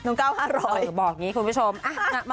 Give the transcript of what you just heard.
น้องก้าว๕๐๐